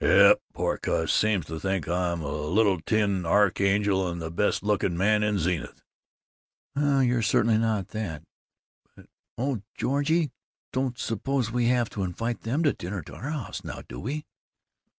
"Yep. Poor cuss! Seems to think I'm a little tin archangel, and the best looking man in Zenith." "Well, you're certainly not that but Oh, Georgie, you don't suppose we have to invite them to dinner at our house now, do we?"